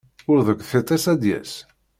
Ur deg tiṭ-is ad d-yas.